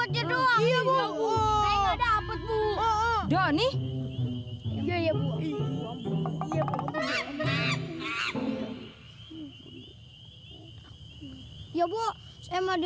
jad banget sih